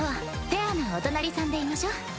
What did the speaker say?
フェアなお隣さんでいましょ。